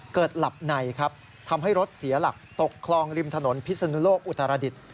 หลับในครับทำให้รถเสียหลักตกคลองริมถนนพิศนุโลกอุตรดิษฐ์